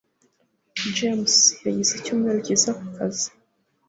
Jamie's yagize icyumweru cyiza ku kazi